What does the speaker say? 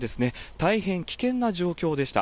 大変危険な状況でした。